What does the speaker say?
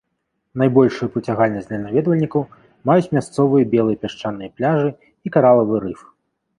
Найбольшую прыцягальнасць для наведвальнікаў маюць мясцовыя белыя пясчаныя пляжы і каралавы рыф.